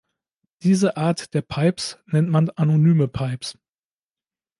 Diese Art der Pipes nennt man anonyme Pipes.